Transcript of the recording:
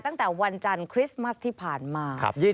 ตั้งแต่วันจันทร์คริสต์มัสที่ผ่านมา